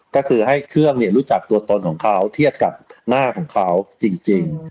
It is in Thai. ก็คือให้เครื่องรู้จักตัวตนของเขาเทียบกับหน้าของเขาจริง